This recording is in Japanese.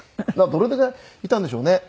どれだけいたんでしょうね？